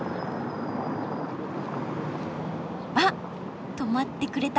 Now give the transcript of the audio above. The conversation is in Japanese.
あっ止まってくれた。